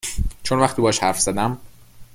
چون وقتی باهاش حرف زدم